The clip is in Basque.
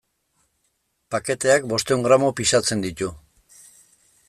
Paketeak bostehun gramo pisatzen ditu.